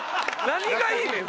何がいいねん！